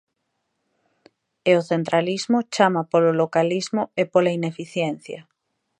E o centralismo chama polo localismo e pola ineficiencia.